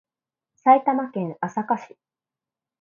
埼玉県朝霞市